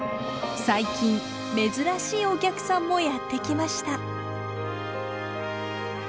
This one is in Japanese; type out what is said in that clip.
最近珍しいお客さんもやって来ました。